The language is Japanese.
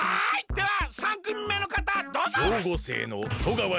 では３くみめのかたどうぞ！